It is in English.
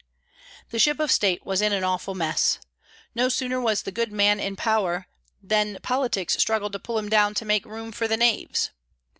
The ship of state was in an awful mess. No sooner was the good man in power than politics struggled to pull him down to make room for the knaves.